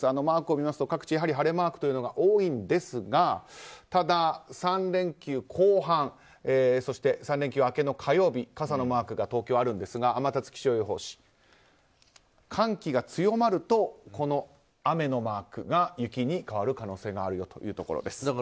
マークを見ると、各地やはり晴れマークが多いんですがただ、３連休後半そして３連休明けの火曜日傘のマークが東京あるんですが天達気象予報士寒気が強まるとこの雨のマークが雪に変わる可能性があるよというところです。